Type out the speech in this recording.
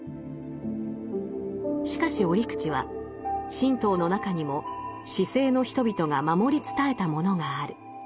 しかし折口は神道の中にも市井の人々が守り伝えたものがある。